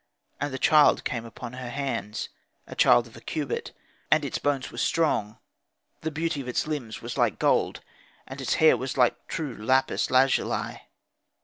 And the child came upon her hands, a child of a cubit; its bones were strong, the beauty of its limbs was like gold, and its hair was like true lapis lazuli.